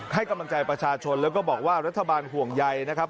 ให้กำลังใจประชาชนแล้วก็บอกว่ารัฐบาลห่วงใยนะครับ